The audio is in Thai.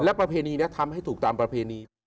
และประเพณีนี้ทำให้ถูกตามประเพณี